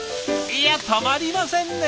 いやたまりませんね。